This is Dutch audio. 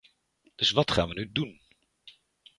Dus wat gaan we nu doen?